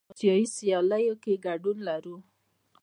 آسیایي سیالیو کې ګډون لرو.